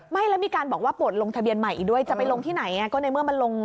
ไม่แล้วมีการบอกว่าปวดลงทะเบียนใหม่อีกด้วยจะไปลงที่ไหนก็ในเมื่อมันลง